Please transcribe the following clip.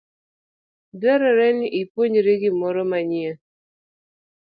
Dwarore ni ipuonjri gimoro manyien.